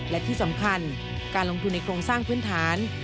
และที่สำคัญการลงทุนในโครงสร้างพื้นฐาน